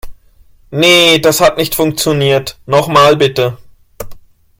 Nee, das hat nicht funktioniert. Nochmal bitte.